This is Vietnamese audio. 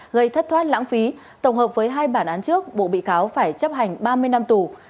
gây thất thoát lãng phí tổng hợp với hai bản án trước bộ bị cáo phải chấp hành ba mươi năm tù